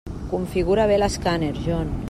Configura bé l'escàner, John.